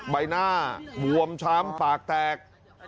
ใบหน้าบวมช้ำปากแตก